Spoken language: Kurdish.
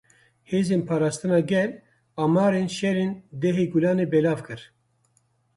Hêzên Parastina Gel, amarên şer ên dehê Gulanê belav kir.